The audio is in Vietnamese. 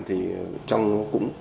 thì trong cũng